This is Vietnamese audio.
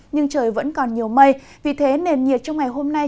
nhưng trời vẫn còn nhiều mây vì thế nền nhiệt trong ngày hôm nay